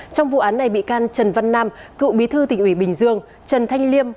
trong vụ án này bị can trần văn nam cựu bí thư tỉnh ủy bình dương trần thanh liêm